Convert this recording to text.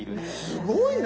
すごいね！